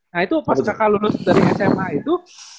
nah itu pas kakak lulus dari sma itu